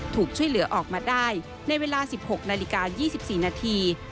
ถูกช่วยเหลือออกมาได้ในเวลา๑๖นาฬิกา๒๔นาที